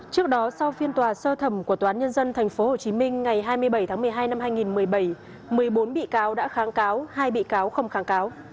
trước đó sau phiên tòa sơ thẩm của tòa án nhân dân tp hcm ngày hai mươi bảy tháng một mươi hai năm hai nghìn một mươi bảy một mươi bốn bị cáo đã kháng cáo hai bị cáo không kháng cáo